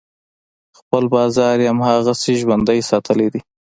خپل بازار یې هماغسې ژوندی ساتلی دی.